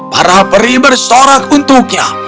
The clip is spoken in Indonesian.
para peri bersorak untuknya